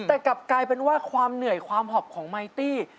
อีกฬรัมป์ก็กลายเป็นว่าความเหนื่อยความหอบของไมตี้